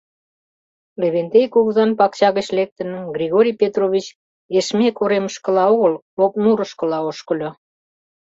Левентей кугызан пакча гыч лектын, Григорий Петрович Эшме коремышкыла огыл, Лопнурышкыла ошкыльо.